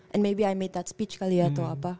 and maybe i made that speech kali ya atau apa